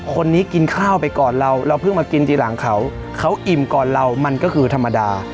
คนนี้กินข้าวไปก่อนเราเราเพิ่งมากินทีหลังเขาเขาอิ่มก่อนเรามันก็คือธรรมดา